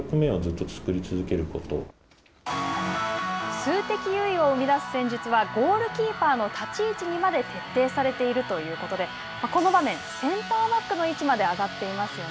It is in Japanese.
数的優位を生み出す戦術はゴールキーパーの立ち位置にまで徹底されているということでこの場面センターバックの位置まで上がっていますよね。